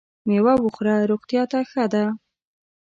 مېوه وخوره ! روغتیا ته ښه ده .